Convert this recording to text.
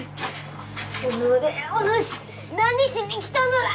おのれおぬし何しに来たのだ！